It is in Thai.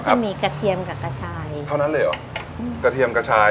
จะมีกระเทียมกับกระชายเท่านั้นเลยเหรออืมกระเทียมกระชาย